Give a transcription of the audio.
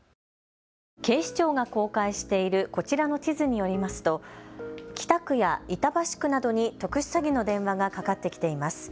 警視庁が公開しているこちらの地図によりますと北区や板橋区などに特殊詐欺の電話がかかってきています。